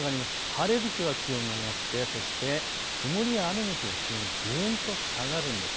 晴れる日は気温が上がって曇りや雨の日は気温がぐんと下がるんです。